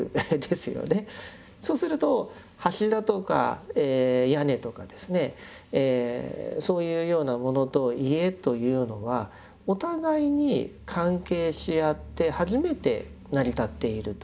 そうすると柱とか屋根とかですねそういうようなものと家というのはお互いに関係し合って初めて成り立っていると。